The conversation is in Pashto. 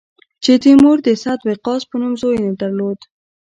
چې تیمور د سعد وقاص په نوم زوی نه درلود.